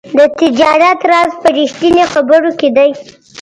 د تجارت راز په رښتیني خبرو کې دی.